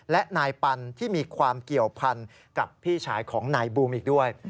และนายปันที่มีความเกี่ยวพันกับพี่ชายของนายบูมอีกด้วย